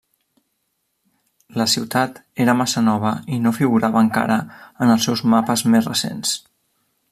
La ciutat era massa nova i no figurava encara en els seus mapes més recents.